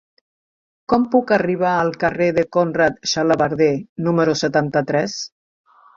Com puc arribar al carrer de Conrad Xalabarder número setanta-tres?